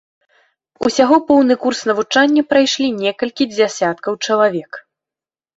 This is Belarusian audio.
Усяго поўны курс навучання прайшлі некалькі дзясяткаў чалавек.